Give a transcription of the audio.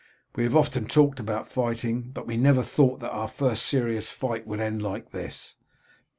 "We have often talked about fighting, but we never thought that our first serious fight would end like this."